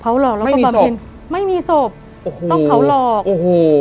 เขาหรอกแล้วก็บำเพ็ญไม่มีศพโอ้โหต้องเผาหลอกโอ้โห